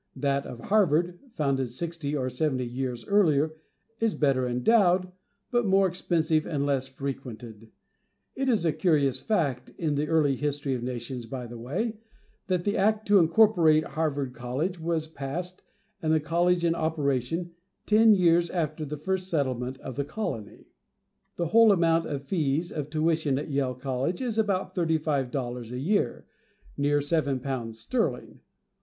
That of Harvard, (founded sixty or seventy years earlier,) is better endowed, but more expensive and less frequented. It is a curious fact, in the early history of nations, by the way, that the Act to incorporate Harvard College was passed, and the College in operation, ten years after the first settlement of the Colony. The whole amount of fees of tuition at Yale College is about thirty five dollars a year, near seven pounds sterling.